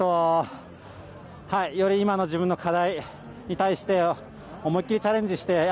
より今の自分の課題に対して思いっきりチャレンジして。